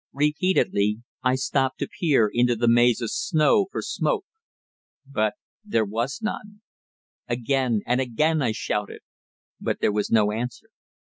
Repeatedly I stopped to peer into the maze of snow for smoke. But there was none. Again and again I shouted. But there was no answer.